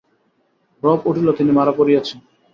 রব উঠিল তিনি মারা পড়িয়াছেন।